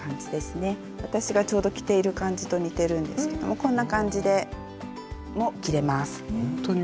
私がちょうど着ている感じと似てるんですけどもこんな感じでも着れます。